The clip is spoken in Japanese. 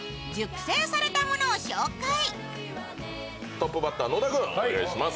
トップバッター、野田君、お願いします。